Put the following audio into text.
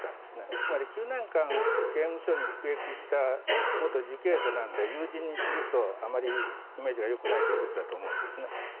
つまり９年間刑務所に服役した受刑者なので友人にするとあまりイメージがよくないということだと思います。